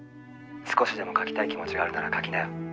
「少しでも描きたい気持ちがあるなら描きなよ」